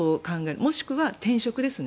もしくは転職です。